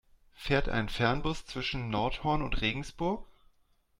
Fährt ein Fernbus zwischen Nordhorn und Regensburg?